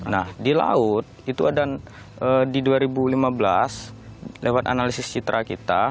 nah di laut itu ada di dua ribu lima belas lewat analisis citra kita